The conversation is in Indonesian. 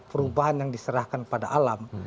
perubahan yang diserahkan pada alam